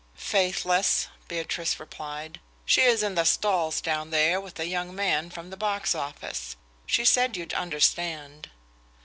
"Faithless," Beatrice replied. "She is in the stalls down there with a young man from the box office. She said you'd understand."